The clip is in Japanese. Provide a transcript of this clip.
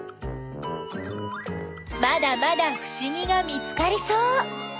まだまだふしぎが見つかりそう！